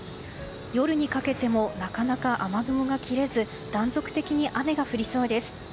夜にかけてもなかなか雨雲が切れず断続的に雨が降りそうです。